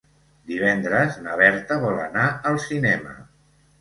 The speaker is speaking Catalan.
Divendres na Berta vol anar al cinema.